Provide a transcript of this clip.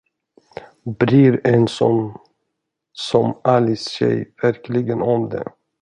Bryr en sån som Alice sig verkligen om det?